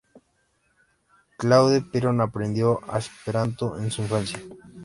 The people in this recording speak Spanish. Claude Piron aprendió el esperanto en su infancia.